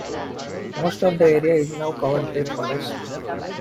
Most of the area is now covered by forest.